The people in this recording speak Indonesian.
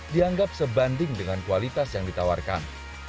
dianggap sebanding dengan kualitas yang ditawarkan